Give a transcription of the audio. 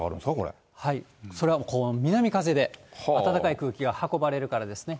はい、それは南風で、暖かい空気が運ばれるからですね。